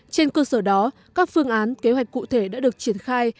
trên cơ sở đó các phương án kế hoạch cụ thể đã được triển khai